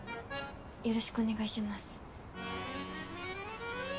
よろしくお願いします。